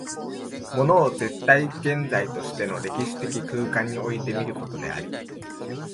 物を絶対現在としての歴史的空間において見ることであり、